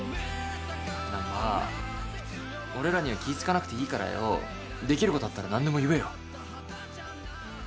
難破俺らには気ぃ使わなくていいからよできることあったら何でも言えよ。